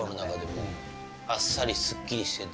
あっさりすっきりしてて。